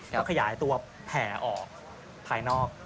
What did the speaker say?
ก็ขยายตัวแผ่ออกภายนอก